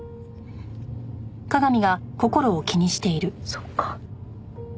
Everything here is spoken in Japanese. そっか。